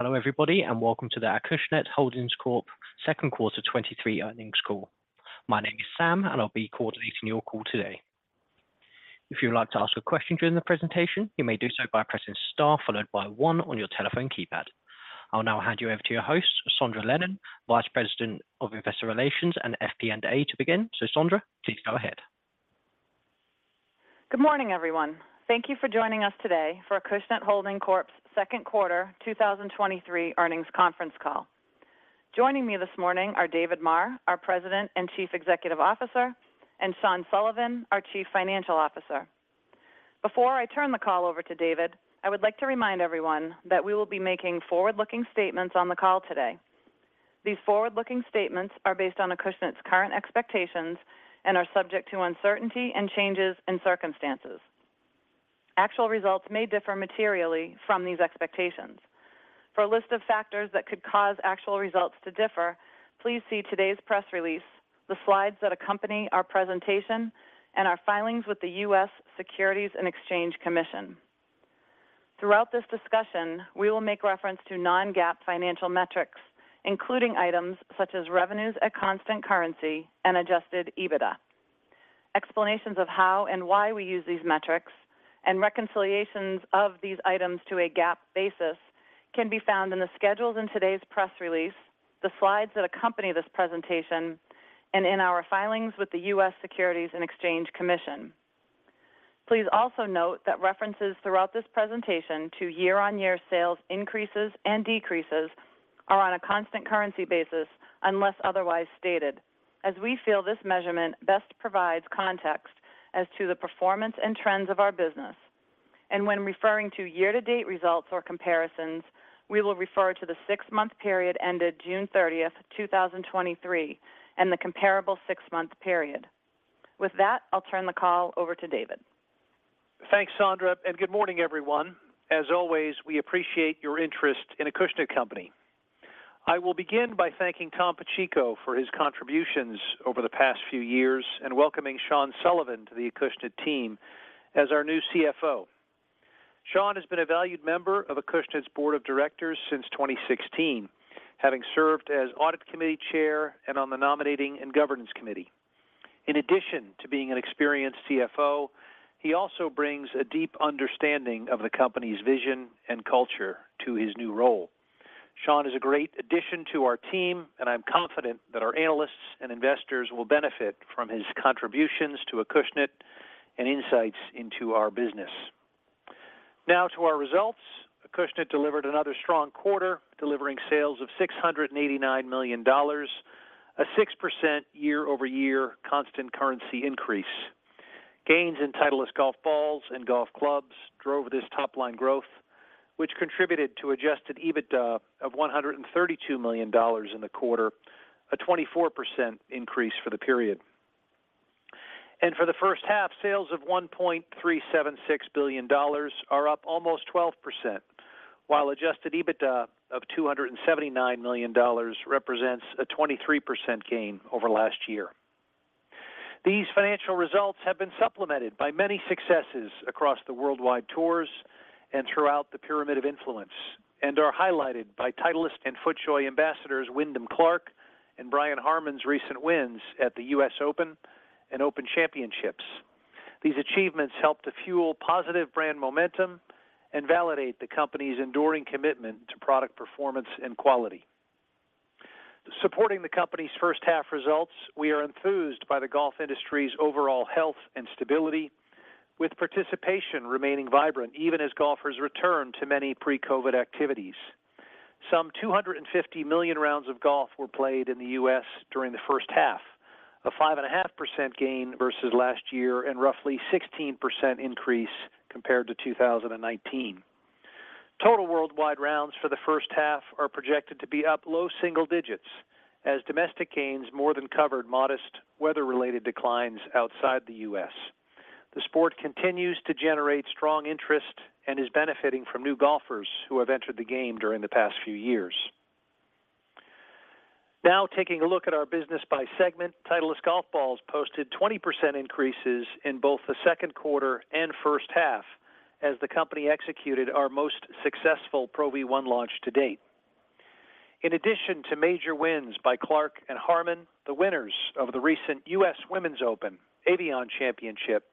Hello everybody, and welcome to the Acushnet Holdings Corp second quarter 2023 earnings call. My name is Sam, and I'll be coordinating your call today. If you would like to ask a question during the presentation, you may do so by pressing star followed by one on your telephone keypad. I'll now hand you over to your host, Sondra Lennon, Vice President of Investor Relations and FP&A, to begin. Sondra, please go ahead. Good morning, everyone. Thank you for joining us today for Acushnet Holdings Corp's second quarter 2023 earnings conference call. Joining me this morning are David Maher, our President and Chief Executive Officer, and Sean Sullivan, our Chief Financial Officer. Before I turn the call over to David, I would like to remind everyone that we will be making forward-looking statements on the call today. These forward-looking statements are based on Acushnet's current expectations and are subject to uncertainty and changes in circumstances. Actual results may differ materially from these expectations. For a list of factors that could cause actual results to differ, please see today's press release, the slides that accompany our presentation, and our filings with the U.S. Securities and Exchange Commission. Throughout this discussion, we will make reference to non-GAAP financial metrics, including items such as revenues at constant currency and Adjusted EBITDA. Explanations of how and why we use these metrics and reconciliations of these items to a GAAP basis can be found in the schedules in today's press release, the slides that accompany this presentation, and in our filings with the U.S. Securities and Exchange Commission. Please also note that references throughout this presentation to year-on-year sales increases and decreases are on a constant currency basis, unless otherwise stated, as we feel this measurement best provides context as to the performance and trends of our business. When referring to year-to-date results or comparisons, we will refer to the six-month period ended June 30th, 2023, and the comparable six-month period. With that, I'll turn the call over to David. Thanks, Sondra. Good morning, everyone. As always, we appreciate your interest in Acushnet Company. I will begin by thanking Tom Pacheco for his contributions over the past few years and welcoming Sean Sullivan to the Acushnet team as our new CFO. Sean has been a valued member of Acushnet's Board of Directors since 2016, having served as Audit Committee Chair and on the Nominating and Governance Committee. In addition to being an experienced CFO, he also brings a deep understanding of the company's vision and culture to his new role. Sean is a great addition to our team. I'm confident that our analysts and investors will benefit from his contributions to Acushnet and insights into our business. Now to our results. Acushnet delivered another strong quarter, delivering sales of $689 million, a 6% year-over-year constant currency increase. Gains in Titleist golf balls and golf clubs drove this top-line growth, which contributed to Adjusted EBITDA of $132 million in the quarter, a 24% increase for the period. For the first half, sales of $1.376 billion are up almost 12%, while Adjusted EBITDA of $279 million represents a 23% gain over last year. These financial results have been supplemented by many successes across the worldwide tours and throughout the pyramid of influence and are highlighted by Titleist and FootJoy ambassadors Wyndham Clark and Brian Harman's recent wins at the U.S. Open and Open Championships. These achievements help to fuel positive brand momentum and validate the company's enduring commitment to product performance and quality. Supporting the company's first half results, we are enthused by the golf industry's overall health and stability, with participation remaining vibrant even as golfers return to many pre-COVID activities. Some 250 million rounds of golf were played in the U.S. during the first half, a 5.5% gain versus last year and roughly 16% increase compared to 2019. Total worldwide rounds for the first half are projected to be up low single digits as domestic gains more than covered modest weather-related declines outside the US. The sport continues to generate strong interest and is benefiting from new golfers who have entered the game during the past few years. Now, taking a look at our business by segment, Titleist Golf Balls posted 20% increases in both the second quarter and first half as the company executed our most successful Pro V1 launch to date. In addition to major wins by Clark and Harman, the winners of the recent U.S. Women's Open, Evian Championship,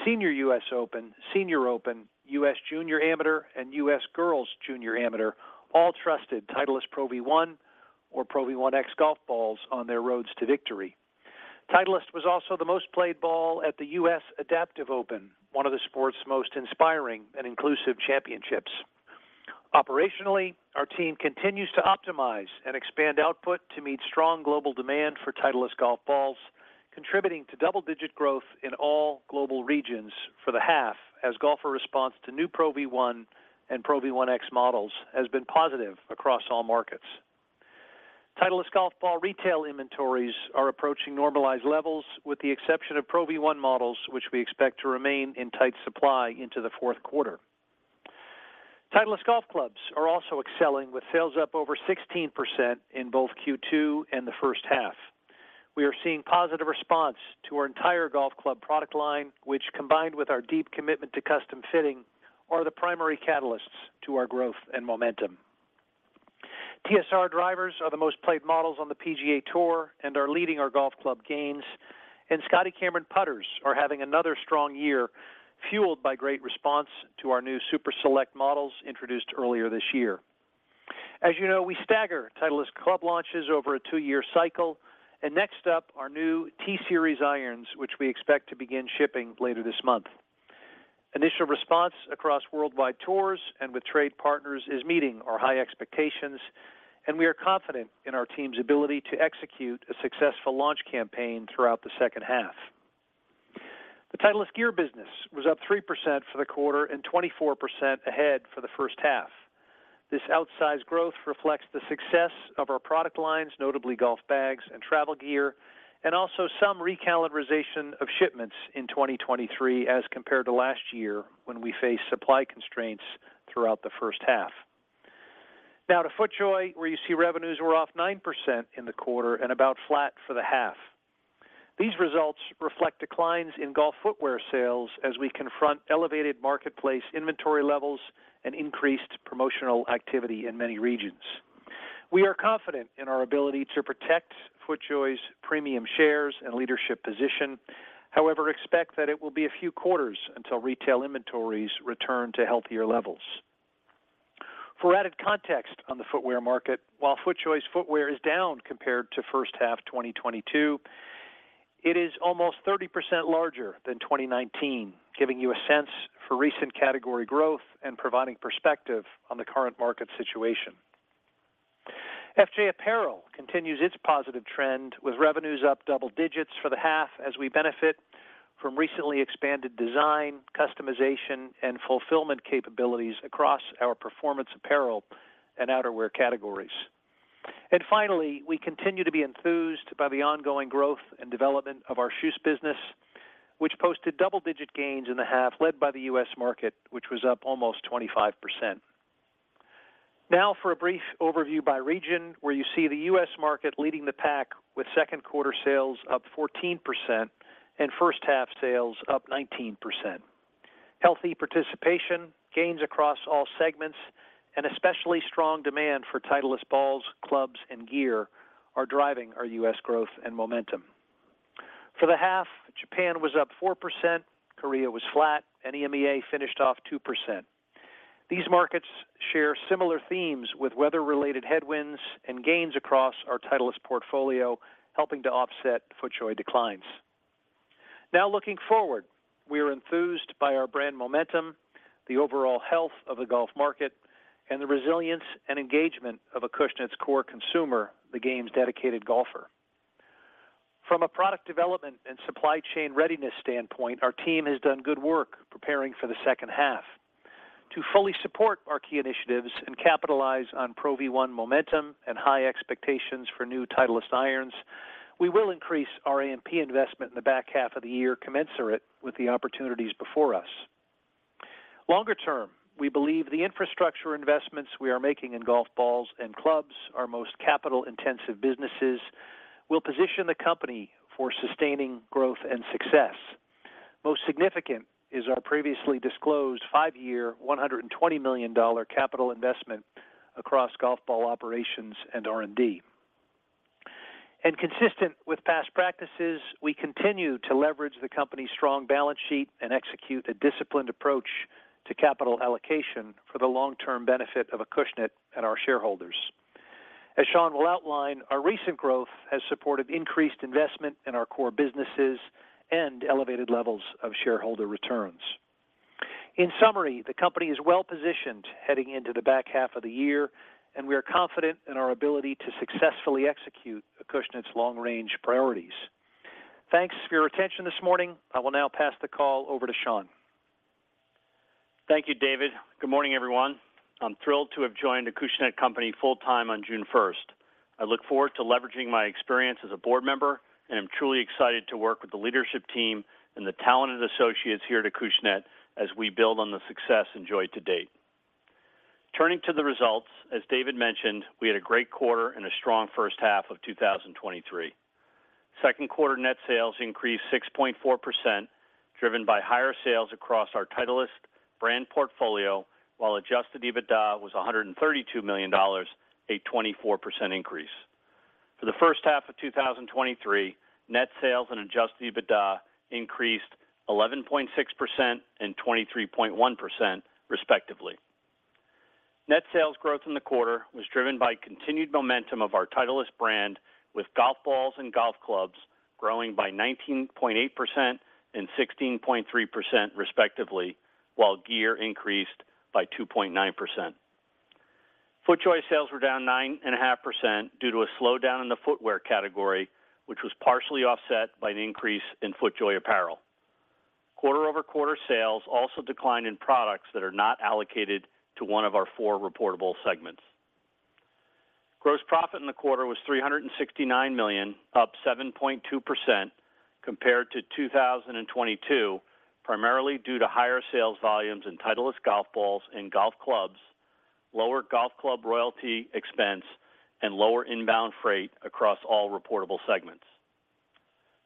U.S. Senior Open, Senior Open, U.S. Junior Amateur, and U.S. Girls' Junior Amateur, all trusted Titleist Pro V1 or Pro V1x golf balls on their roads to victory. Titleist was also the most played ball at the U.S. Adaptive Open, one of the sport's most inspiring and inclusive championships. Operationally, our team continues to optimize and expand output to meet strong global demand for Titleist golf balls, contributing to double-digit growth in all global regions for the half, as golfer response to new Pro V1 and Pro V1x models has been positive across all markets. Titleist golf ball retail inventories are approaching normalized levels, with the exception of Pro V1 models, which we expect to remain in tight supply into the fourth quarter. Titleist golf clubs are also excelling, with sales up over 16% in both Q2 and the first half. We are seeing positive response to our entire golf club product line, which combined with our deep commitment to custom fitting, are the primary catalysts to our growth and momentum. TSR drivers are the most played models on the PGA TOUR and are leading our golf club games. Scotty Cameron putters are having another strong year, fueled by great response to our new Super Select models introduced earlier this year. As you know, we stagger Titleist club launches over a two-year cycle. Next up, our new T-Series irons, which we expect to begin shipping later this month. Initial response across worldwide tours and with trade partners is meeting our high expectations. We are confident in our team's ability to execute a successful launch campaign throughout the second half. The Titleist gear business was up 3% for the quarter and 24% ahead for the first half. This outsized growth reflects the success of our product lines, notably golf bags and travel gear, and also some recalibration of shipments in 2023 as compared to last year when we faced supply constraints throughout the first half. Now to FootJoy, where you see revenues were off 9% in the quarter and about flat for the half. These results reflect declines in golf footwear sales as we confront elevated marketplace inventory levels and increased promotional activity in many regions. We are confident in our ability to protect FootJoy's premium shares and leadership position, however, expect that it will be a few quarters until retail inventories return to healthier levels. For added context on the footwear market, while FootJoy footwear is down compared to first half 2022, it is almost 30% larger than 2019, giving you a sense for recent category growth and providing perspective on the current market situation. FJ apparel continues its positive trend, with revenues up double digits for the half as we benefit from recently expanded design, customization, and fulfillment capabilities across our performance apparel and outerwear categories. Finally, we continue to be enthused by the ongoing growth and development of our shoes business, which posted double-digit gains in the half, led by the U.S. market, which was up almost 25%. Now for a brief overview by region, where you see the U.S. market leading the pack with second quarter sales up 14% and first half sales up 19%. Healthy participation, gains across all segments, and especially strong demand for Titleist balls, clubs, and gear are driving our U.S. growth and momentum. For the half, Japan was up 4%, Korea was flat, and EMEA finished off 2%. These markets share similar themes with weather-related headwinds and gains across our Titleist portfolio, helping to offset FootJoy declines. Now looking forward, we are enthused by our brand momentum, the overall health of the golf market, and the resilience and engagement of Acushnet's core consumer, the game's dedicated golfer. From a product development and supply chain readiness standpoint, our team has done good work preparing for the second half. To fully support our key initiatives and capitalize on Pro V1 momentum and high expectations for new Titleist irons, we will increase our A&P investment in the back half of the year, commensurate with the opportunities before us. Longer term, we believe the infrastructure investments we are making in golf balls and clubs, our most capital-intensive businesses, will position the company for sustaining growth and success. Most significant is our previously disclosed five-year, $120 million capital investment across golf ball operations and R&D. Consistent with past practices, we continue to leverage the company's strong balance sheet and execute a disciplined approach to capital allocation for the long-term benefit of Acushnet and our shareholders. As Sean will outline, our recent growth has supported increased investment in our core businesses and elevated levels of shareholder returns. In summary, the company is well positioned heading into the back half of the year, and we are confident in our ability to successfully execute Acushnet's long-range priorities. Thanks for your attention this morning. I will now pass the call over to Sean. Thank you, David. Good morning, everyone. I'm thrilled to have joined Acushnet Company full-time on June first. I look forward to leveraging my experience as a board member, I'm truly excited to work with the leadership team and the talented associates here at Acushnet as we build on the success enjoyed to date. Turning to the results, as David mentioned, we had a great quarter and a strong first half of 2023. Second quarter net sales increased 6.4%, driven by higher sales across our Titleist brand portfolio, while Adjusted EBITDA was $132 million, a 24% increase. For the first half of 2023, net sales and Adjusted EBITDA increased 11.6% and 23.1%, respectively. Net sales growth in the quarter was driven by continued momentum of our Titleist brand, with golf balls and golf clubs growing by 19.8% and 16.3%, respectively, while gear increased by 2.9%. FootJoy sales were down 9.5% due to a slowdown in the footwear category, which was partially offset by an increase in FootJoy apparel. Quarter-over-quarter sales also declined in products that are not allocated to one of our four reportable segments. Gross profit in the quarter was $369 million, up 7.2% compared to 2022, primarily due to higher sales volumes in Titleist golf balls and golf clubs, lower golf club royalty expense, and lower inbound freight across all reportable segments.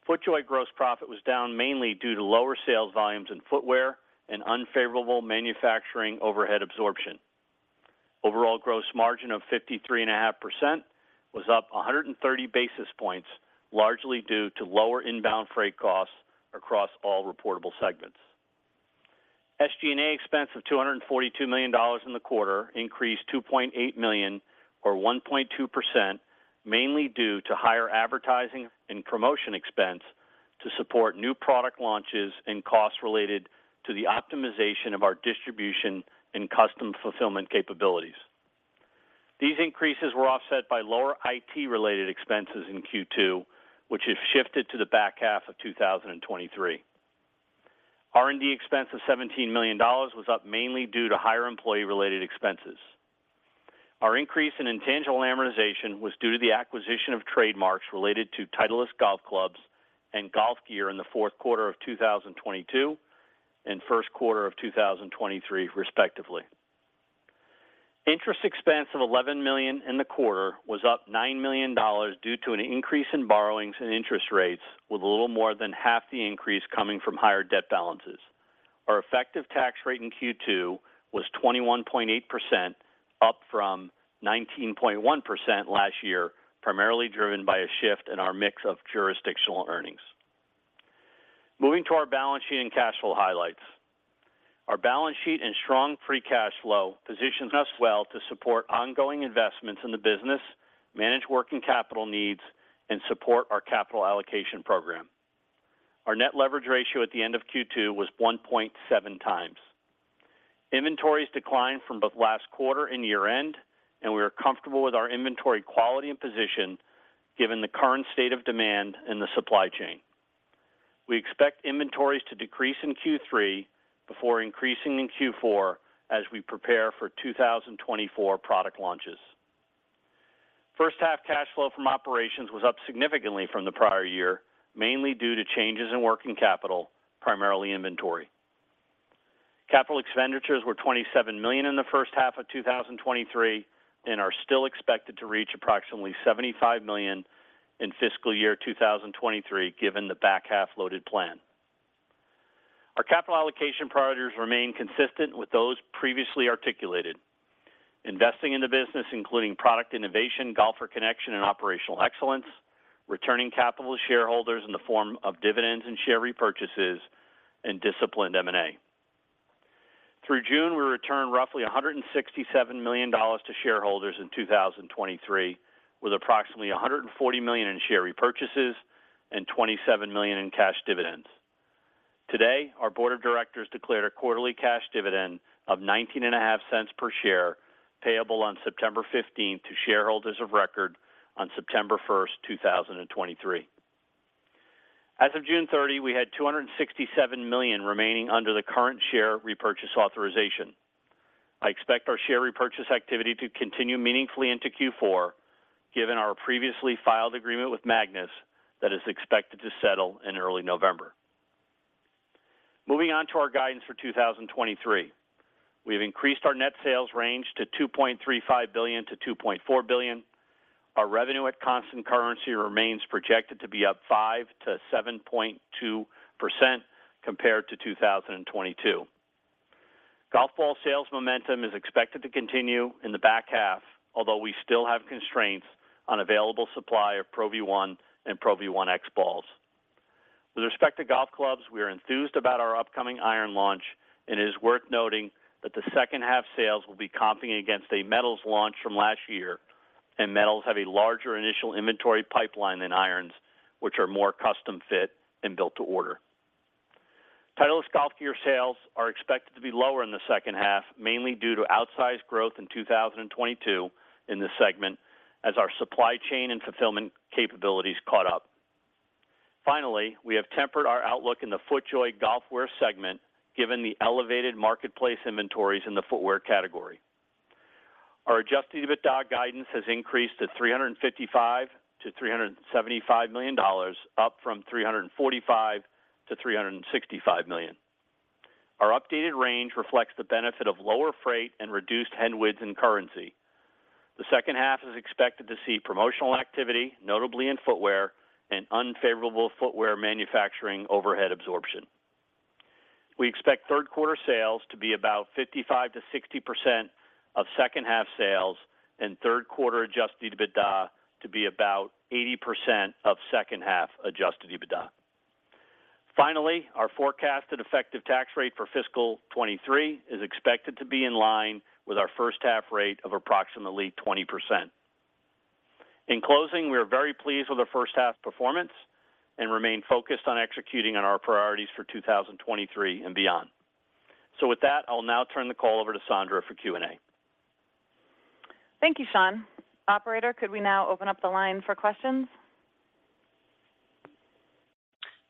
FootJoy gross profit was down mainly due to lower sales volumes in footwear and unfavorable manufacturing overhead absorption. Overall gross margin of 53.5% was up 130 basis points, largely due to lower inbound freight costs across all reportable segments. SG&A expense of $242 million in the quarter increased $2.8 million, or 1.2%, mainly due to higher advertising and promotion expense to support new product launches and costs related to the optimization of our distribution and custom fulfillment capabilities. These increases were offset by lower IT-related expenses in Q2, which have shifted to the back half of 2023. R&D expense of $17 million was up mainly due to higher employee-related expenses. Our increase in intangible amortization was due to the acquisition of trademarks related to Titleist golf clubs and golf gear in the fourth quarter of 2022 and first quarter of 2023, respectively. Interest expense of $11 million in the quarter was up $9 million due to an increase in borrowings and interest rates, with a little more than half the increase coming from higher debt balances. Our effective tax rate in Q2 was 21.8%, up from 19.1% last year, primarily driven by a shift in our mix of jurisdictional earnings. Moving to our balance sheet and cash flow highlights. Our balance sheet and strong free cash flow positions us well to support ongoing investments in the business, manage working capital needs, and support our capital allocation program. Our net leverage ratio at the end of Q2 was 1.7 times. Inventories declined from both last quarter and year-end, and we are comfortable with our inventory quality and position, given the current state of demand in the supply chain. We expect inventories to decrease in Q3 before increasing in Q4 as we prepare for 2024 product launches. First half cash flow from operations was up significantly from the prior year, mainly due to changes in working capital, primarily inventory. Capital expenditures were $27 million in the first half of 2023 and are still expected to reach approximately $75 million in fiscal year 2023, given the back-half-loaded plan. Our capital allocation priorities remain consistent with those previously articulated: investing in the business, including product innovation, golfer connection, and operational excellence, returning capital to shareholders in the form of dividends and share repurchases, and disciplined M&A. Through June, we returned roughly $167 million to shareholders in 2023, with approximately $140 million in share repurchases and $27 million in cash dividends. Today, our board of directors declared a quarterly cash dividend of $0.195 per share, payable on September 15th to shareholders of record on September 1st, 2023. As of June 30, we had $267 million remaining under the current share repurchase authorization. I expect our share repurchase activity to continue meaningfully into Q4, given our previously filed agreement with Magnus that is expected to settle in early November. Moving on to our guidance for 2023. We've increased our net sales range to $2.35 billion to 2.4 billion. Our revenue at constant currency remains projected to be up 5% to 7.2% compared to 2022. Golf ball sales momentum is expected to continue in the back half, although we still have constraints on available supply of Pro V1 and Pro V1x balls. With respect to golf clubs, we are enthused about our upcoming iron launch, and it is worth noting that the second half sales will be comping against a metals launch from last year, and metals have a larger initial inventory pipeline than irons, which are more custom fit and built to order. Titleist golf gear sales are expected to be lower in the second half, mainly due to outsized growth in 2022 in this segment, as our supply chain and fulfillment capabilities caught up. Finally, we have tempered our outlook in the FootJoy Golf Wear segment, given the elevated marketplace inventories in the footwear category. Our Adjusted EBITDA guidance has increased to $355 million-375 million, up from $345 million-365 million. Our updated range reflects the benefit of lower freight and reduced headwinds in currency. The second half is expected to see promotional activity, notably in footwear and unfavorable footwear manufacturing overhead absorption. We expect third quarter sales to be about 55%-60% of second half sales, and third quarter Adjusted EBITDA to be about 80% of second half Adjusted EBITDA. Finally, our forecasted effective tax rate for fiscal 2023 is expected to be in line with our first half rate of approximately 20%. In closing, we are very pleased with our first half performance and remain focused on executing on our priorities for 2023 and beyond. With that, I'll now turn the call over to Sondra for Q&A. Thank you, Sean. Operator, could we now open up the line for questions?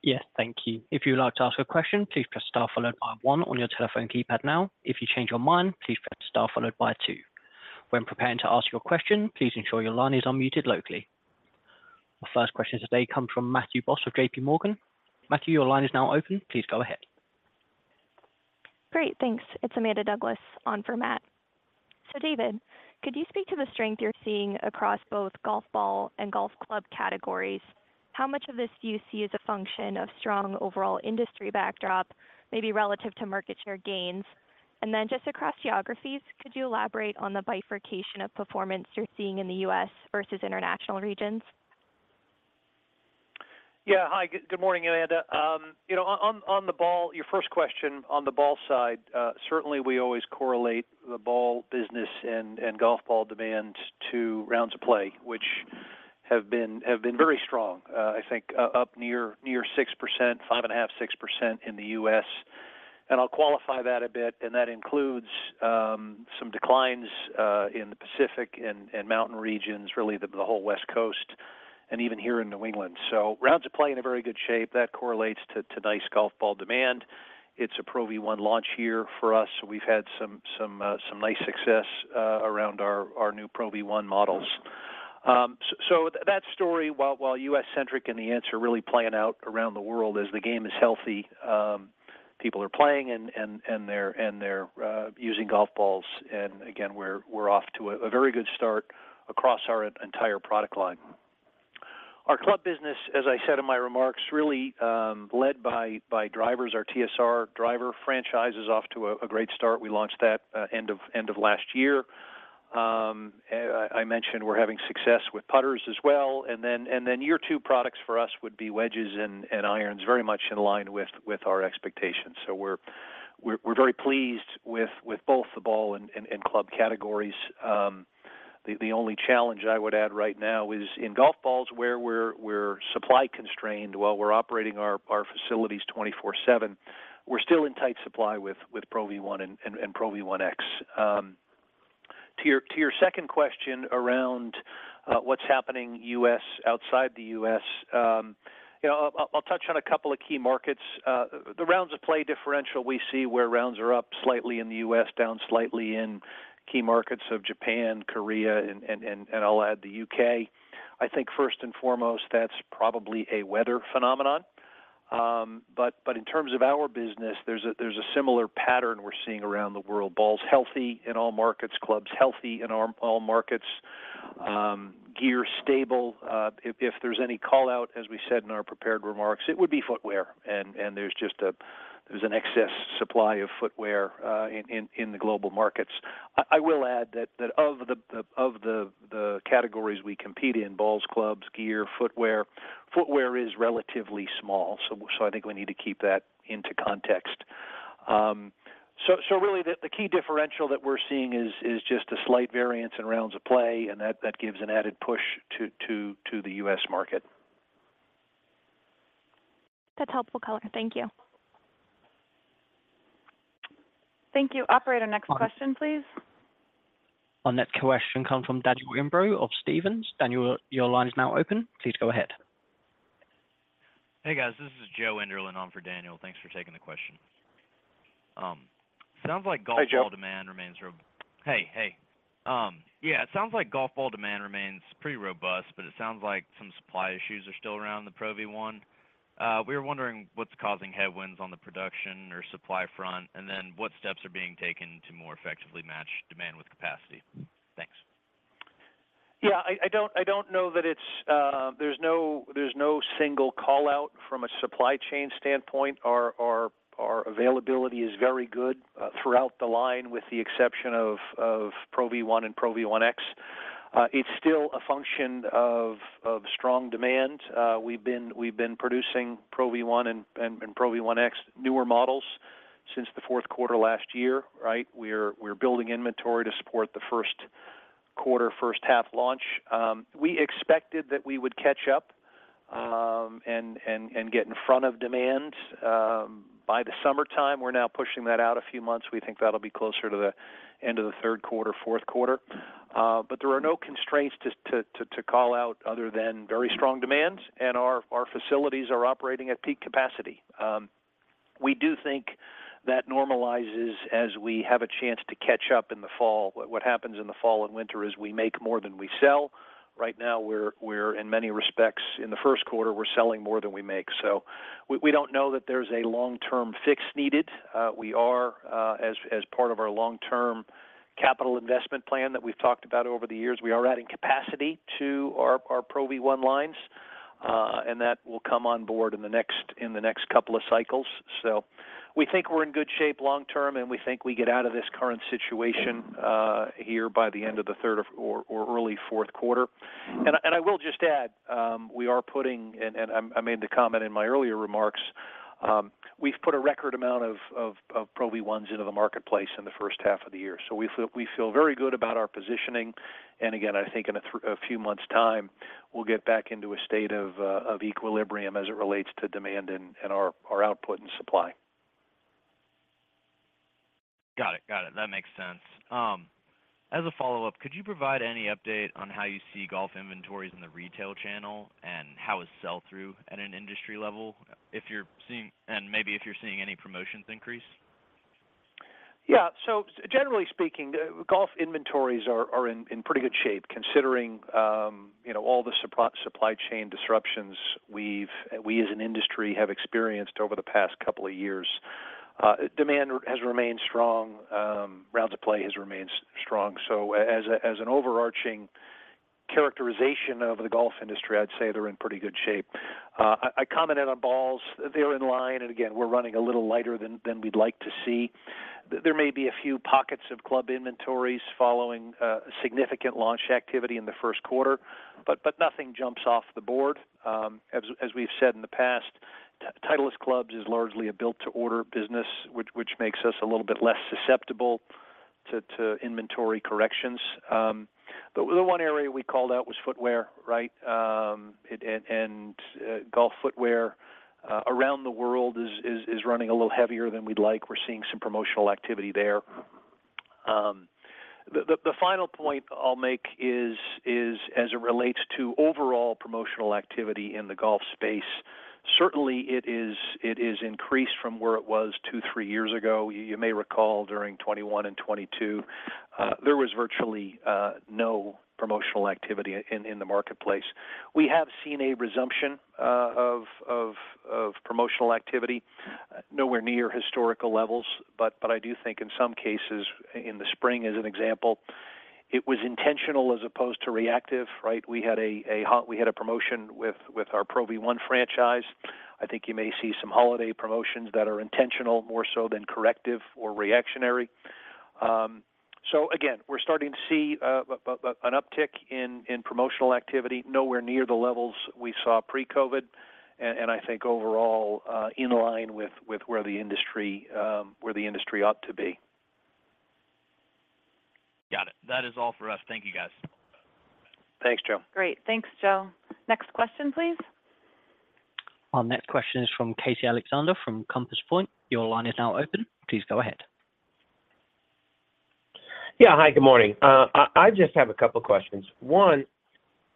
Yes, thank you. If you would like to ask a question, please press star followed by one on your telephone keypad now. If you change your mind, please press star followed by two. When preparing to ask your question, please ensure your line is unmuted locally. Our first question today comes from Matthew Boss of JPMorgan. Matthew, your line is now open. Please go ahead. Great, thanks. It's Amanda Douglas on for Matt. David, could you speak to the strength you're seeing across both golf ball and golf club categories? How much of this do you see as a function of strong overall industry backdrop, maybe relative to market share gains? Just across geographies, could you elaborate on the bifurcation of performance you're seeing in the U.S. versus international regions? Yeah. Hi, good, good morning, Amanda. You know, on the ball, your first question on the ball side, certainly we always correlate the ball business and golf ball demand to rounds of play, which have been, have been very strong. I think, up near, near 6%, 5.5%, 6% in the U.S., and I'll qualify that a bit, and that includes some declines in the Pacific and mountain regions, really the whole West Coast and even here in New England. Rounds of play in a very good shape that correlates to nice golf ball demand. It's a Pro V1 launch year for us, so we've had some nice success around our new Pro V1 models. So that story, while, while U.S.-centric and the answer really playing out around the world, is the game is healthy. People are playing and, and, and they're, and they're using golf balls, and again, we're, we're off to a, a very good start across our entire product line. Our club business, as I said in my remarks, really led by, by drivers. Our TSR driver franchise is off to a, a great start. We launched that end of, end of last year. I, I mentioned we're having success with putters as well, and then, and then year two products for us would be wedges and, and irons, very much in line with, with our expectations. We're, we're, we're very pleased with, with both the ball and, and, and club categories. The only challenge I would add right now is in golf balls, where we're supply constrained, while we're operating our facilities 24/7, we're still in tight supply with Pro V1 and Pro V1x. To your second question around what's happening U.S., outside the U.S., you know, I'll touch on a couple of key markets. The rounds of play differential, we see where rounds are up slightly in the U.S., down slightly in key markets of Japan, Korea, and I'll add the U.K. I think first and foremost, that's probably a weather phenomenon. In terms of our business, there's a similar pattern we're seeing around the world. Ball's healthy in all markets, clubs healthy in all markets, gear stable. If, if there's any call-out, as we said in our prepared remarks, it would be footwear, and, and there's just there's an excess supply of footwear, in, in, in the global markets. I, I will add that, that of the, the, of the, the categories we compete in, balls, clubs, gear, footwear, footwear is relatively small. So I think we need to keep that into context. So really the, the key differential that we're seeing is, is just a slight variance in rounds of play, and that, that gives an added push to, to, to the U.S. market. That's helpful color. Thank you. Thank you. Operator, next question, please. Our next question come from Daniel Imbro of Stephens. Daniel, your line is now open. Please go ahead. Hey, guys. This is Joe Enderlin on for Daniel. Thanks for taking the question. sounds like golf- Hi, Joe. Hey, hey. Yeah, it sounds like golf ball demand remains pretty robust, but it sounds like some supply issues are still around the Pro V1. We were wondering what's causing headwinds on the production or supply front, and then what steps are being taken to more effectively match demand with capacity? Thanks. Yeah, I, I don't, I don't know that it's. There's no, there's no single call-out from a supply chain standpoint. Our, our, our availability is very good, throughout the line, with the exception of, of Pro V1 and Pro V1x. It's still a function of, of strong demand. We've been, we've been producing Pro V1 and, and, and Pro V1x newer models since the fourth quarter last year, right? We're, we're building inventory to support the first quarter, first half launch. We expected that we would catch up, and, and, and get in front of demand, by the summertime. We're now pushing that out a few months. We think that'll be closer to the end of the third quarter, fourth quarter. There are no constraints to call out other than very strong demands, and our facilities are operating at peak capacity. We do think that normalizes as we have a chance to catch up in the fall. What, what happens in the fall and winter is we make more than we sell. Right now, we're in many respects, in the first quarter, we're selling more than we make. We don't know that there's a long-term fix needed. We are, as part of our long-term capital investment plan that we've talked about over the years, we are adding capacity to our Pro V1 lines, and that will come on board in the next couple of cycles. We think we're in good shape long term, and we think we get out of this current situation here by the end of the third or or early fourth quarter. And I will just add, we are putting... And, and I, I made the comment in my earlier remarks, we've put a record amount of, of, of Pro V1s into the marketplace in the first half of the year. We feel, we feel very good about our positioning, and again, I think in a few months' time, we'll get back into a state of equilibrium as it relates to demand and, and our, our output and supply. Got it. Got it. That makes sense. As a follow-up, could you provide any update on how you see golf inventories in the retail channel and how is sell-through at an industry level? Maybe if you're seeing any promotions increase? Yeah, generally speaking, golf inventories are in pretty good shape, considering, you know, all the supply chain disruptions we've, we as an industry have experienced over the past couple of years. Demand has remained strong, rounds of play has remained strong. As a, as an overarching characterization of the golf industry, I'd say they're in pretty good shape. I commented on balls. They're in line, and again, we're running a little lighter than we'd like to see. There may be a few pockets of club inventories following significant launch activity in the first quarter, but nothing jumps off the board. As we've said in the past, Titleist clubs is largely a built-to-order business, which makes us a little bit less susceptible to inventory corrections. The one area we called out was Footwear, right? Golf Footwear around the world is running a little heavier than we'd like. We're seeing some promotional activity there. The final point I'll make is as it relates to overall promotional activity in the golf space, certainly it is increased from where it was two, three years ago. You may recall, during 2021 and 2022, there was virtually no promotional activity in the marketplace. We have seen a resumption of promotional activity. Nowhere near historical levels, but I do think in some cases, in the spring, as an example, it was intentional as opposed to reactive, right? We had a promotion with our Pro V1 franchise. I think you may see some holiday promotions that are intentional, more so than corrective or reactionary. Again, we're starting to see an uptick in promotional activity, nowhere near the levels we saw pre-COVID, and I think overall, in line with where the industry ought to be. Got it. That is all for us. Thank you, guys. Thanks, Joe. Great. Thanks, Joe. Next question, please. Our next question is from Casey Alexander from Compass Point.. Your line is now open. Please go ahead. Yeah. Hi, good morning. I, I just have a couple questions. One,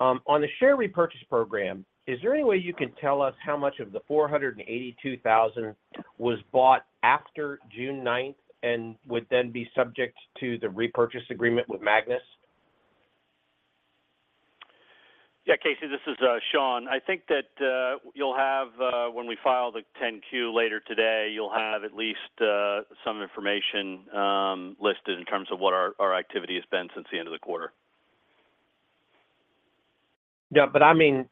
on the share repurchase program, is there any way you can tell us how much of the $482,000 was bought after June 9th, and would then be subject to the repurchase agreement with Magnus? Yeah, Casey, this is Sean. I think that you'll have when we file the 10-Q later today, you'll have at least some information listed in terms of what our, our activity has been since the end of the quarter. Yeah, I mean,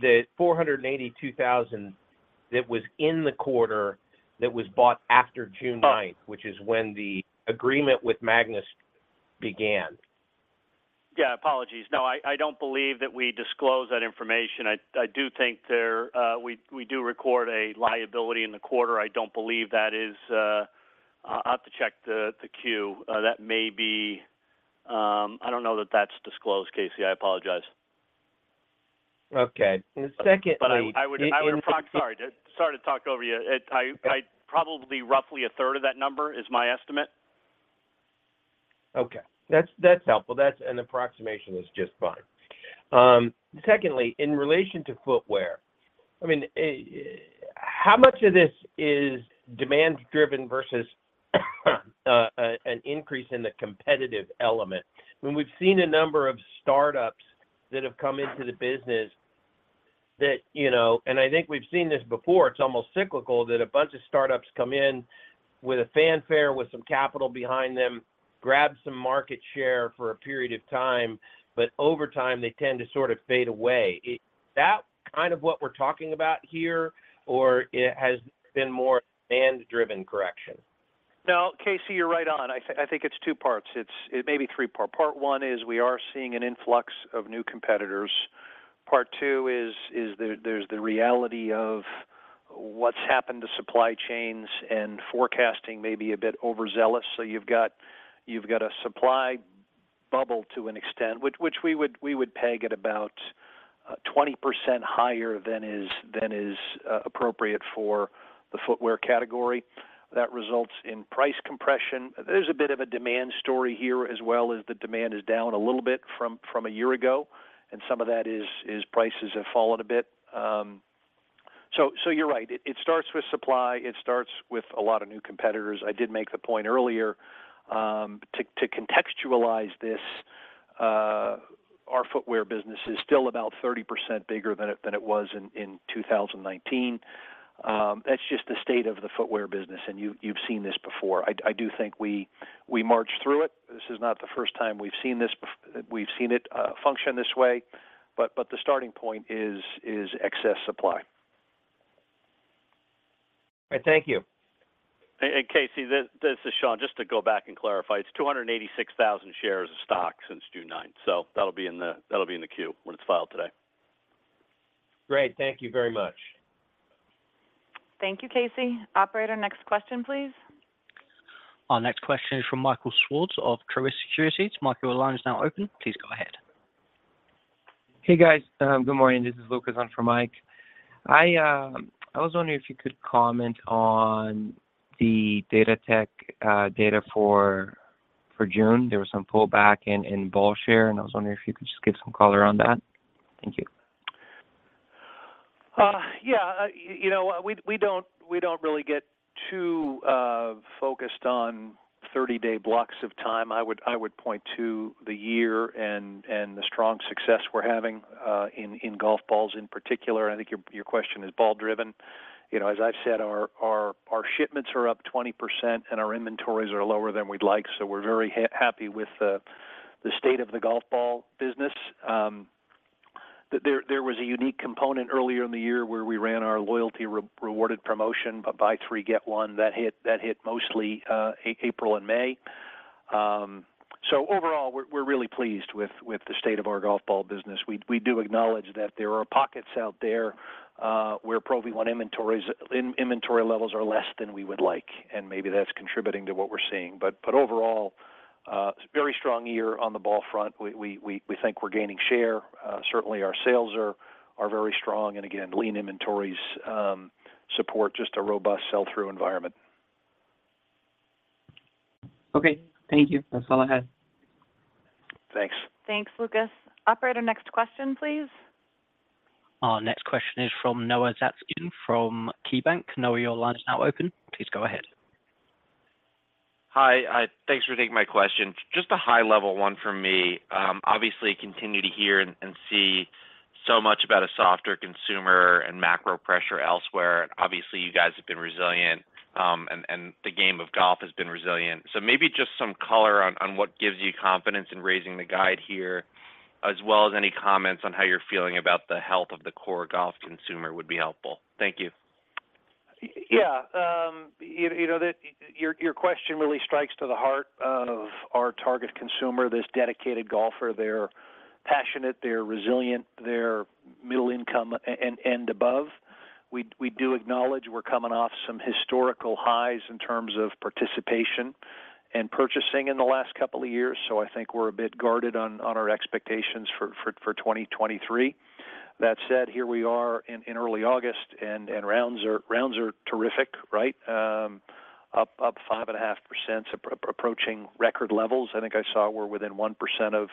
the $482,000 that was in the quarter, that was bought after June 9- Right Which is when the agreement with Magnus began? Yeah, apologies. No, I, I don't believe that we disclose that information. I, I do think there, we, we do record a liability in the quarter. I don't believe that is... I'll have to check the, the Q. That may be, I don't know that that's disclosed, Casey. I apologize. Okay. secondly, I would sorry, sorry to talk over you. It. I probably roughly 1/3 of that number is my estimate. Okay. That's, that's helpful. That's an approximation is just fine. Secondly, in relation to footwear, I mean, how much of this is demand driven versus an increase in the competitive element? When we've seen a number of startups that have come into the business that, you know... I think we've seen this before. It's almost cyclical, that a bunch of startups come in with a fanfare, with some capital behind them, grab some market share for a period of time, but over time, they tend to sort of fade away. Is that kind of what we're talking about here, or it has been more demand-driven correction? No, Casey, you're right on. I think, I think it's two parts. It's, it may be three part. Part one is we are seeing an influx of new competitors. Part two is, is there's, there's the reality of what's happened to supply chains, and forecasting may be a bit overzealous. You've got, you've got a supply bubble to an extent, which, which we would, we would peg at about 20% higher than is, than is, appropriate for the Footwear category. That results in price compression. There's a bit of a demand story here as well, as the demand is down a little bit from, from a year ago, and some of that is, is prices have fallen a bit. you're right. It, it starts with supply, it starts with a lot of new competitors. I did make the point earlier, to, to contextualize this, our footwear business is still about 30% bigger than it, than it was in, in 2019. That's just the state of the footwear business, and you've, you've seen this before. I, I do think we, we march through it. This is not the first time we've seen this, we've seen it, function this way, but, but the starting point is, is excess supply. All right. Thank you. Casey, this is Sean. Just to go back and clarify, it's 286,000 shares of stock since June 9, so that'll be in the queue when it's filed today. Great. Thank you very much. Thank you, Casey. Operator, next question, please. Our next question is from Michael Swartz of Truist Securities. Michael, your line is now open. Please go ahead. Hey, guys. Good morning. This is Lucas on for Mike. I was wondering if you could comment on the Golf Datatech data for June. There was some pullback in ball share. I was wondering if you could just give some color on that. Thank you. Yeah, you know, we, we don't, we don't really get too focused on 30-day blocks of time. I would, I would point to the year and, and the strong success we're having in golf balls in particular. I think your, your question is ball driven. You know, as I've said, our, our, our shipments are up 20% and our inventories are lower than we'd like, so we're very ha- happy with the, the state of the golf ball business. There, there was a unique component earlier in the year where we ran our loyalty re- rewarded promotion, a buy three, get one, that hit, that hit mostly A- April and May. So overall, we're, we're really pleased with, with the state of our golf ball business. We, we do acknowledge that there are pockets out there, where Pro V1 inventory levels are less than we would like, and maybe that's contributing to what we're seeing. overall, it's a very strong year on the ball front. We, we, we think we're gaining share. certainly our sales are, are very strong, and again, lean inventories, support just a robust sell-through environment. Okay, thank you. That's all I had. Thanks. Thanks, Lucas. Operator, next question, please. Our next question is from Noah Zatzkin from KeyBanc. Noah, your line is now open. Please go ahead. Hi, thanks for taking my question. Just a high level one from me. Obviously, continue to hear and, and see so much about a softer consumer and macro pressure elsewhere. Obviously, you guys have been resilient, and, and the game of golf has been resilient. Maybe just some color on, on what gives you confidence in raising the guide here, as well as any comments on how you're feeling about the health of the core golf consumer would be helpful. Thank you. Yeah, you know, your question really strikes to the heart of our target consumer, this dedicated golfer. They're passionate, they're resilient, they're middle income and above. We do acknowledge we're coming off some historical highs in terms of participation and purchasing in the last couple of years, so I think we're a bit guarded on our expectations for 2023. That said, here we are in early August, and rounds are terrific, right? Up 5.5%, approaching record levels. I think I saw we're within 1% of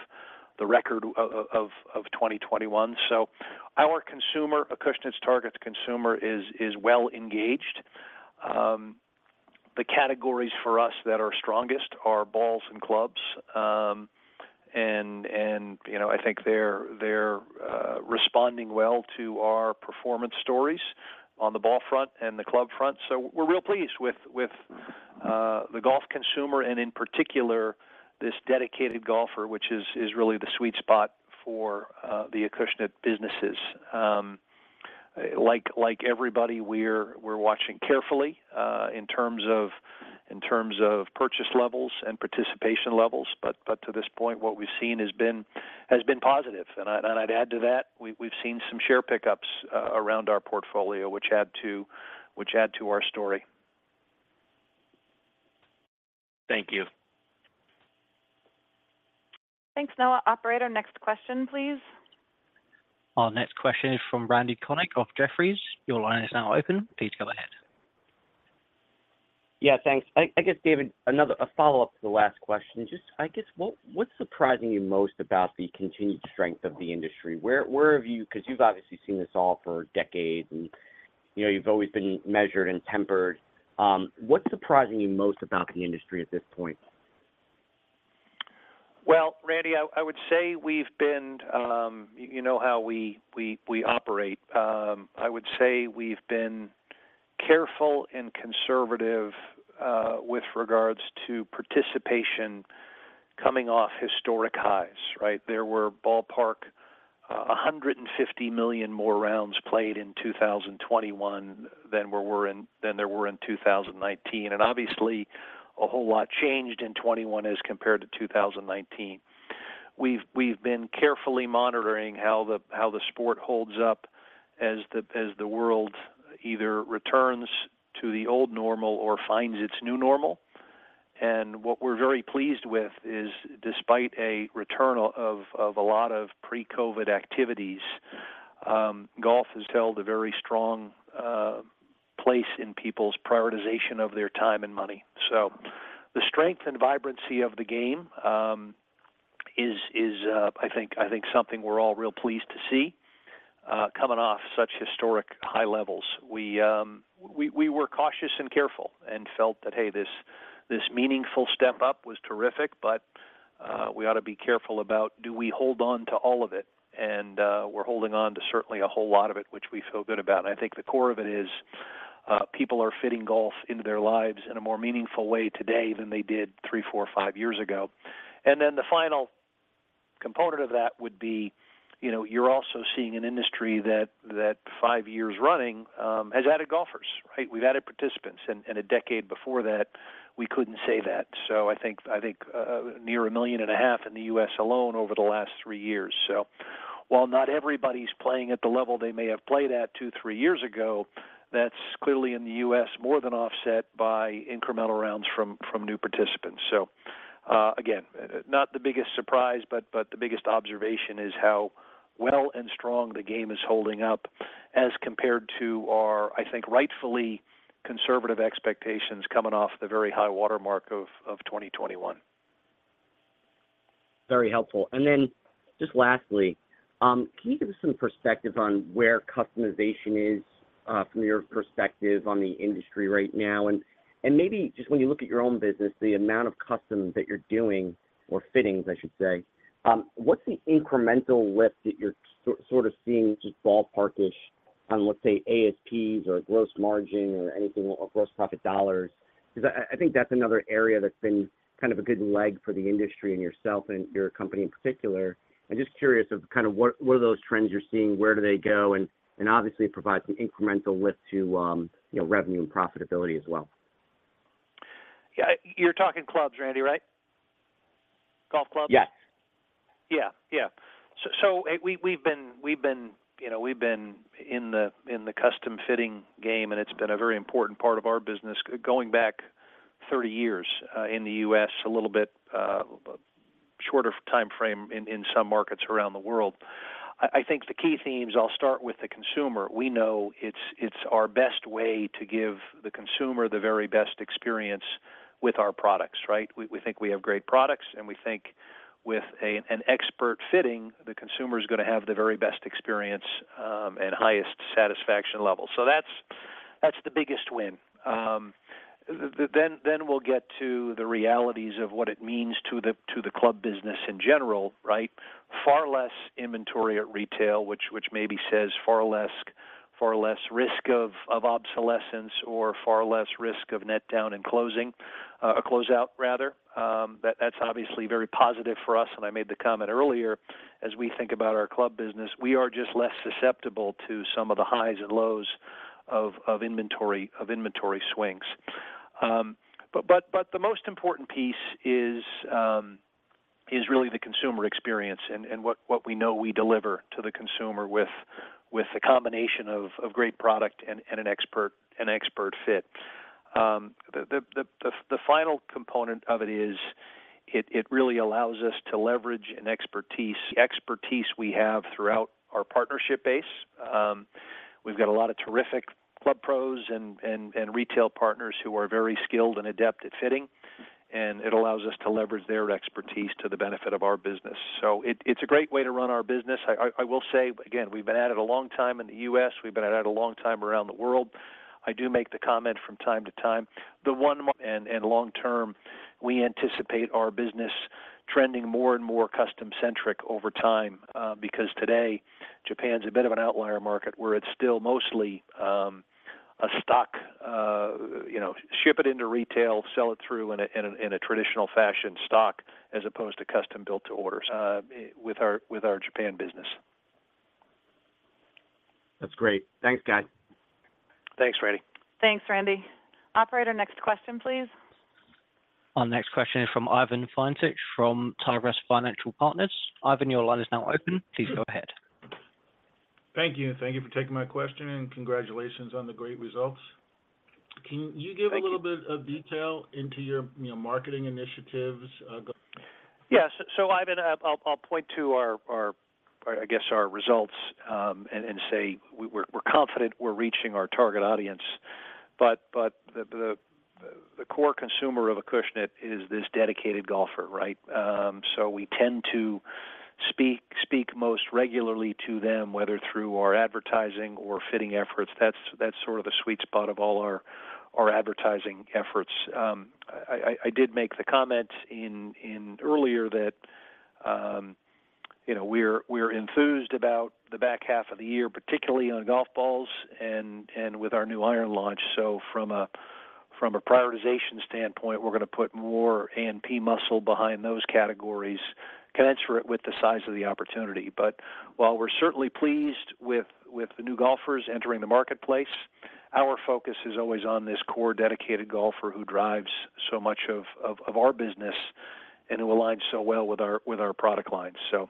the record of 2021. Our consumer, Acushnet's target consumer, is well engaged. The categories for us that are strongest are balls and clubs. You know, I think they're responding well to our performance stories on the ball front and the club front. We're real pleased with the golf consumer, and in particular, this dedicated golfer, which is really the sweet spot for the Acushnet businesses. Like everybody, we're watching carefully in terms of purchase levels and participation levels, to this point, what we've seen has been positive. I'd add to that, we've seen some share pickups around our portfolio, which add to our story. Thank you. Thanks, Noah. Operator, next question, please. Our next question is from Randy Konik of Jefferies. Your line is now open. Please go ahead. Yeah, thanks. I, I guess, David, A follow-up to the last question: Just, I guess, what, what's surprising you most about the continued strength of the industry? Where, where have you? Because you've obviously seen this all for decades and, you know, you've always been measured and tempered. What's surprising you most about the industry at this point? Well, Randy, I, I would say we've been, you know how we, we, we operate. I would say we've been careful and conservative with regards to participation coming off historic highs, right? There were ballpark 150 million more rounds played in 2021 than there were in, than there were in 2019, and obviously, a whole lot changed in 2021 as compared to 2019. We've, we've been carefully monitoring how the, how the sport holds up as the, as the world either returns to the old normal or finds its new normal. What we're very pleased with is, despite a return of a lot of pre-COVID activities, golf has held a very strong place in people's prioritization of their time and money. The strength and vibrancy of the game is, is, I think, I think something we're all real pleased to see coming off such historic high levels. We, we, we were cautious and careful and felt that, hey, this, this meaningful step up was terrific, but we ought to be careful about, do we hold on to all of it? We're holding on to certainly a whole lot of it, which we feel good about. I think the core of it is people are fitting golf into their lives in a more meaningful way today than they did three, four, five years ago. Then the final component of that would be, you know, you're also seeing an industry that, that five years running has added golfers, right? We've added participants, and, and a decade before that, we couldn't say that. I think, I think, near 1.5 million in the U.S. alone over the last three years. While not everybody's playing at the level they may have played at two, three years ago, that's clearly in the U.S., more than offset by incremental rounds from, from new participants. Again, not the biggest surprise, but, but the biggest observation is how well and strong the game is holding up as compared to our, I think, rightfully conservative expectations coming off the very high watermark of, of 2021. Very helpful. Then just lastly, can you give us some perspective on where customization is from your perspective on the industry right now? Maybe just when you look at your own business, the amount of custom that you're doing or fittings, I should say, what's the incremental lift that you're sort of seeing, just ballpark-ish on, let's say, ASPs or gross margin or anything or gross profit dollars? Because I, I think that's another area that's been kind of a good leg for the industry and yourself and your company in particular. I'm just curious of kind of what, what are those trends you're seeing? Where do they go? Obviously, it provides an incremental lift to, you know, revenue and profitability as well. Yeah, you're talking clubs, Randy, right? Golf clubs? Yes. Yeah. Yeah. We've been, you know, we've been in the custom fitting game, and it's been a very important part of our business, going back 30 years in the U.S., a little bit a shorter timeframe in some markets around the world. I think the key themes, I'll start with the consumer. We know it's our best way to give the consumer the very best experience with our products, right? We think we have great products, and we think with an expert fitting, the consumer is gonna have the very best experience and highest satisfaction level. That's the biggest win. Then we'll get to the realities of what it means to the club business in general, right? Far less inventory at retail, which, which maybe says far less, far less risk of, of obsolescence or far less risk of net down and closing, a closeout rather. That's obviously very positive for us, and I made the comment earlier, as we think about our club business, we are just less susceptible to some of the highs and lows of, of inventory, of inventory swings. The most important piece is really the consumer experience and, and what, what we know we deliver to the consumer with, with a combination of, of great product and, and an expert, an expert fit. The, the, the, the final component of it is, it, it really allows us to leverage an expertise, expertise we have throughout our partnership base. We've got a lot of terrific club pros and, and, and retail partners who are very skilled and adept at fitting, it allows us to leverage their expertise to the benefit of our business. It's a great way to run our business. I, I will say, again, we've been at it a long time in the U.S. We've been at it a long time around the world. I do make the comment from time to time, the one more-- long term, we anticipate our business trending more and more custom-centric over time, because today, Japan's a bit of an outlier market, where it's still mostly, a stock, you know, ship it into retail, sell it through in a, in a, in a traditional fashion stock, as opposed to custom built to order, with our, with our Japan business. That's great. Thanks, guys. Thanks, Randy. Thanks, Randy. Operator, next question, please. Our next question is fromIvan Feinseth from Tigress Financial Partners. Ivan, your line is now open. Please go ahead. Thank you. Thank you for taking my question, and congratulations on the great results. Thank you. Can you give a little bit of detail into your, you know, marketing initiatives? Yes. Ivan, I'll point to our, our, I guess, our results, and say we're confident we're reaching our target audience, but the core consumer of Acushnet is this dedicated golfer, right? We tend to speak most regularly to them, whether through our advertising or fitting efforts. That's sort of the sweet spot of all our advertising efforts. I did make the comment in earlier that, you know, we're enthused about the back half of the year, particularly on golf balls and with our new iron launch. From a prioritization standpoint, we're gonna put more A&P muscle behind those categories, commensurate with the size of the opportunity. While we're certainly pleased with, with the new golfers entering the marketplace, our focus is always on this core, dedicated golfer who drives so much of, of, of our business and who aligns so well with our, with our product line. That's,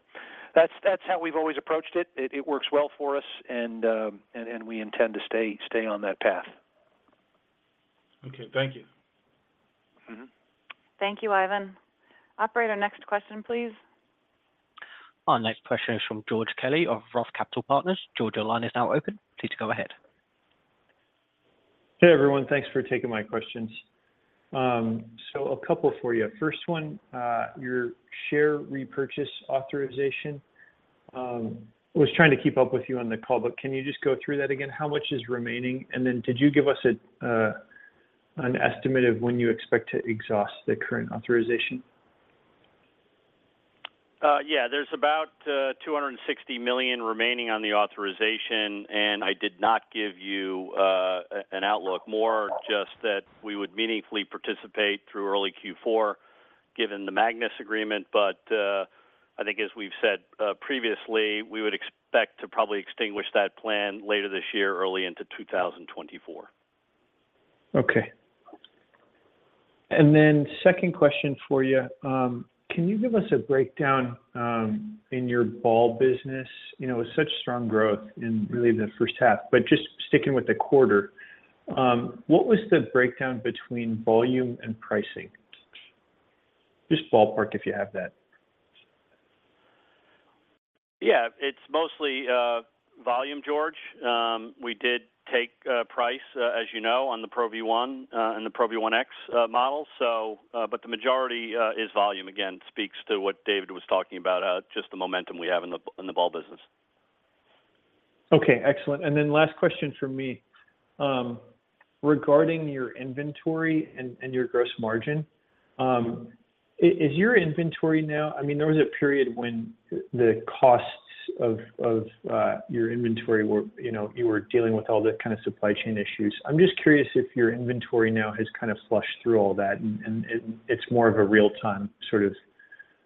that's how we've always approached it. It, it works well for us and, and we intend to stay, stay on that path. Okay. Thank you. Thank you, Ivan. Operator, next question, please. Our next question is from George Kelly of ROTH Capital Partners. George, your line is now open. Please go ahead. Hey, everyone. Thanks for taking my questions. A couple for you. First one, your share repurchase authorization, was trying to keep up with you on the call, but can you just go through that again? How much is remaining? Then could you give us an estimate of when you expect to exhaust the current authorization? Yeah, there's about $260 million remaining on the authorization. I did not give you an outlook. More just that we would meaningfully participate through early Q4, given the Magnus agreement. I think as we've said previously, we would expect to probably extinguish that plan later this year, early into 2024. Okay. Then second question for you. Can you give us a breakdown in your ball business? You know, with such strong growth in really the first half, but just sticking with the quarter, what was the breakdown between volume and pricing? Just ballpark, if you have that. Yeah, it's mostly volume, George. We did take price, as you know, on the Pro V1 and the Pro V1x model. But the majority is volume. Again, speaks to what David was talking about, just the momentum we have in the ball business. Okay, excellent. Then last question from me. Regarding your inventory and your gross margin, is your inventory now, I mean, there was a period when the costs of your inventory were, you know, you were dealing with all the kind of supply chain issues. I'm just curious if your inventory now has kind of flushed through all that, and it's more of a real-time, sort of,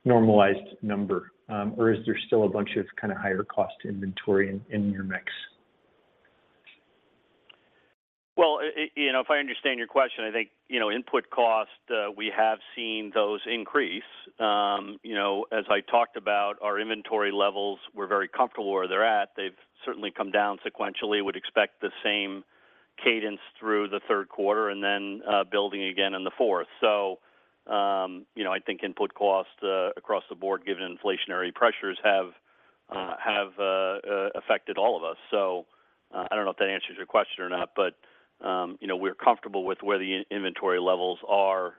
normalized number? Or is there still a bunch of kind of higher cost inventory in your mix? Well, it, it, you know, if I understand your question, I think, you know, input costs, we have seen those increase. You know, as I talked about, our inventory levels, we're very comfortable where they're at. They've certainly come down sequentially. Would expect the same cadence through the third quarter, then building again in the fourth. You know, I think input costs, across the board, given inflationary pressures, have affected all of us. I don't know if that answers your question or not, but, you know, we're comfortable with where the inventory levels are.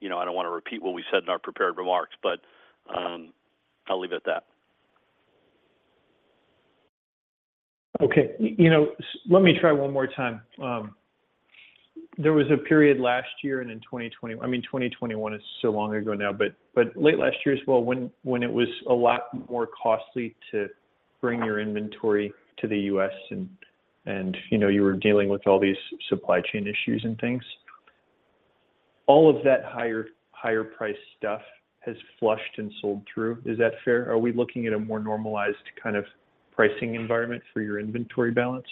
You know, I don't wanna repeat what we said in our prepared remarks, but I'll leave it at that. Okay. You know, let me try one more time. There was a period last year and in 2020... I mean, 2021 is so long ago now, but late last year as well, when it was a lot more costly to bring your inventory to the U.S., and, you know, you were dealing with all these supply chain issues and things. All of that higher, higher priced stuff has flushed and sold through. Is that fair? Are we looking at a more normalized kind of pricing environment for your inventory balance?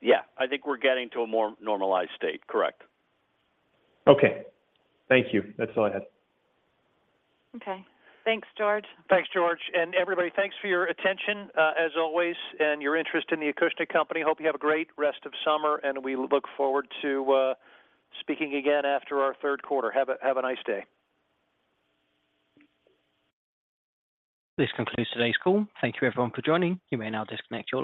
Yeah, I think we're getting to a more normalized state. Correct. Okay. Thank you. That's all I had. Okay. Thanks, George. Thanks, George, and everybody, thanks for your attention, as always, and your interest in the Acushnet Company. Hope you have a great rest of summer, and we look forward to speaking again after our third quarter. Have a nice day. This concludes today's call. Thank you, everyone, for joining. You may now disconnect your lines.